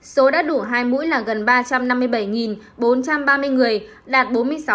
số đã đủ hai mũi là gần ba trăm năm mươi bảy bốn trăm ba mươi người đạt bốn mươi sáu bốn mươi tám